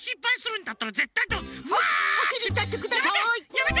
やめて！